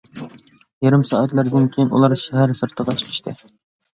يېرىم سائەتلەردىن كىيىن، ئۇلار شەھەر سىرتىغا چىقىشتى.